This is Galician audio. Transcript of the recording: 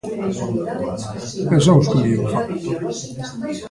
E son os que mellor o fan.